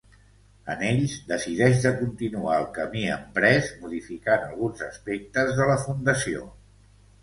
En ells, decideix de continuar el camí emprès, modificant alguns aspectes de la fundació.